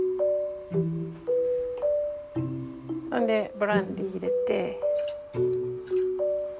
ほんでブランデー入れて。